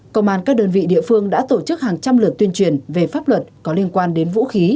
công an các đơn vị địa phương đã tổ chức hàng trăm lượt tuyên truyền về pháp luật có liên quan đến vũ khí